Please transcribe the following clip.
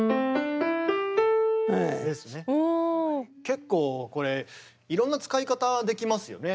結構これいろんな使い方できますよね。